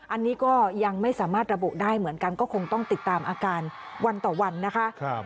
อันนี้ก็ยังไม่สามารถระบุได้เหมือนกันก็คงต้องติดตามอาการวันต่อวันนะคะ